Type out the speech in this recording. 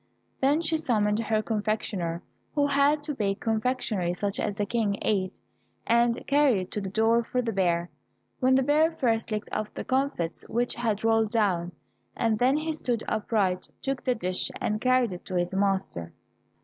Then she summoned her confectioner, who had to bake confectionery such as the King ate, and carry it to the door for the bear; then the bear first licked up the comfits which had rolled down, and then he stood upright, took the dish, and carried it to his master.